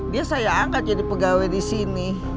dia saya angkat jadi pegawai disini